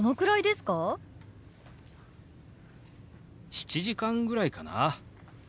７時間ぐらいかな。